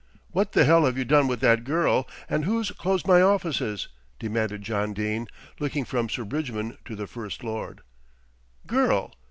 "What the hell have you done with that girl, and who's closed my offices?" demanded John Dene, looking from Sir Bridgman to the First Lord. "Girl!